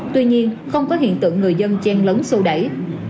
tuy nhiên không có hiện tượng người dân chen lấn sô đẩy